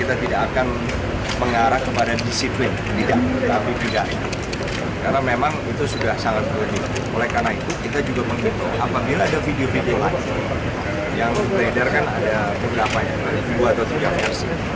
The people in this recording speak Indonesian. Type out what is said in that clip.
oleh karena itu kita juga mengingat apabila ada video video lain yang berbeda kan ada berapa ya dua atau tiga versi